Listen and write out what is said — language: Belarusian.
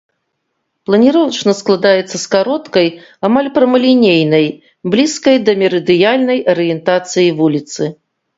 Планіровачна складаецца з кароткай, амаль прамалінейнай, блізкай да мерыдыянальнай арыентацыі вуліцы.